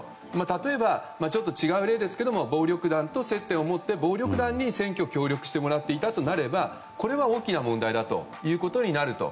例えば、ちょっと違う例ですが暴力団と接点を持って暴力団に選挙を協力してもらっていたとすればこれは大きな問題だということになると。